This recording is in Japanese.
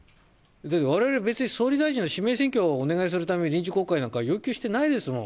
われわれは別に総理大臣指名選挙をお願いするために、臨時国会なんか要求してないですもん。